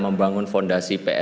membangun fondasi psi